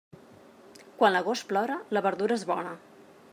Quan l'agost plora, la verdura és bona.